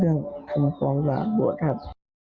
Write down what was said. เรื่องทำความหลากบวชครับ